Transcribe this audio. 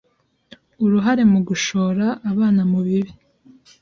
uruhare mugushora abana mubibi